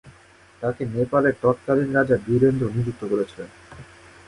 তাকে নেপালের তৎকালীন রাজা বীরেন্দ্র নিযুক্ত করেছিলেন।